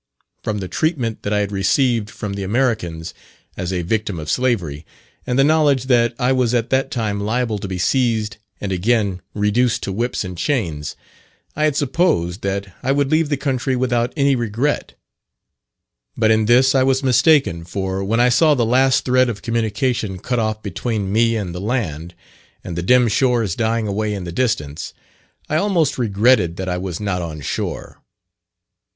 From the treatment that I had received from the Americans as a victim of slavery, and the knowledge that I was at that time liable to be seized and again reduced to whips and chains, I had supposed that I would leave the country without any regret; but in this I was mistaken, for when I saw the last thread of communication cut off between me and the land, and the dim shores dying away in the distance, I almost regretted that I was not on shore.